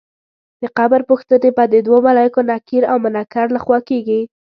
د قبر پوښتنې به د دوو ملایکو نکیر او منکر له خوا کېږي.